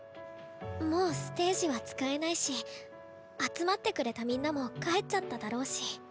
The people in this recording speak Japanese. もうステージは使えないし集まってくれたみんなも帰っちゃっただろうし。